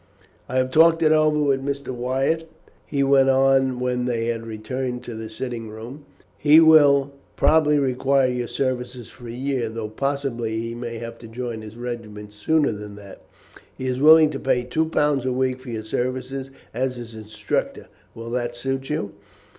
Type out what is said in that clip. "I have talked it over with Mr. Wyatt," he went on when they had returned to the sitting room; "he will probably require your services for a year, though possibly he may have to join his regiment sooner than that. He is willing to pay two pounds a week for your services as his instructor. Will that suit you?"